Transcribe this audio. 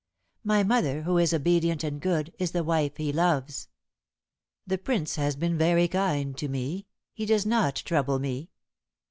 My mother, who is obedient and good, is the wife he loves." "The Prince has been very kind to me. He does not trouble me."